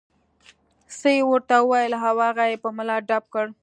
څه یې ورته وویل او هغه یې په ملا ډب کړ.